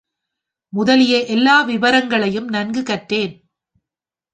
முதலிய எல்லா விவரங்களையும் நன்கு கற்றேன்.